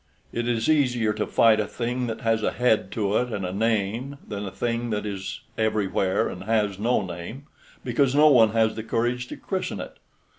It is easier to fight a thing that has a head to it and a name, than a thing that is everywhere and has no name, because no one has the courage to christen it.